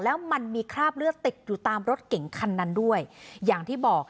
แล้วมันมีคราบเลือดติดอยู่ตามรถเก่งคันนั้นด้วยอย่างที่บอก